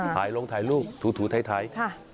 ถ่ายลงถ่ายรูปถูไทย